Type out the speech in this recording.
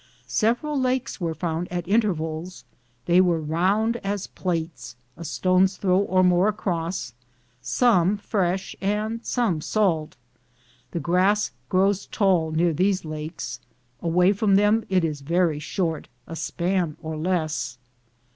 Several lakes were found at intervals ; they were round as plates, a stone's throw or more across, some fresh and some salt. The grass grows tall near these lakes; away from them it is very short, a span or less.